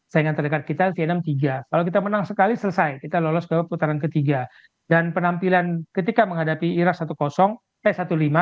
saingan terdekat kita vietnam tiga kalau kita menang sekali selesai kita lolos ke putaran ketiga dan penampilan ketika menghadapi irak satu p satu lima